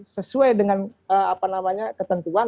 sesuai dengan ketentuan